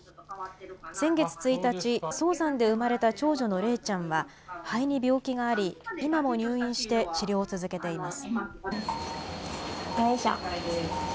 先月１日、早産で産まれた長女の礼ちゃんは、肺に病気があり、今も入院して治療を続けています。